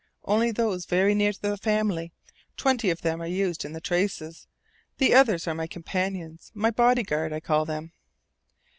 "Only those very near to the family. Twenty of them are used in the traces. The others are my companions my bodyguard, I call them."